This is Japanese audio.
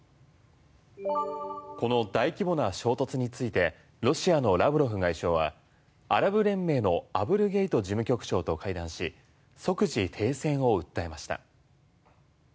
この大規模な衝突についてロシアのラブロフ外相はアラブ連盟のアブルゲイト事務局長と会談し即時停戦を訴えました。